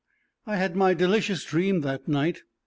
I had my delicious dream that night.